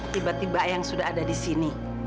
tiba tiba ayang sudah ada disini